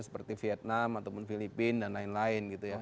seperti vietnam ataupun filipina dan lain lain gitu ya